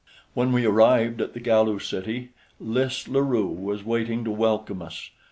When we arrived at the Galu city, Lys La Rue was waiting to welcome us.